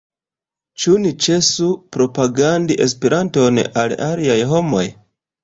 Ĉu ni ĉesu propagandi Esperanton al aliaj homoj?